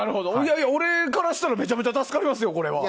俺からしたらめちゃめちゃ助かりますよ。